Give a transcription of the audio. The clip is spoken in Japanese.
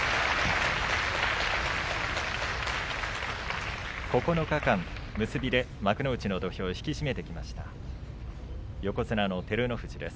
拍手９日間、結びで幕内の土俵を引き締めてきました横綱の照ノ富士です。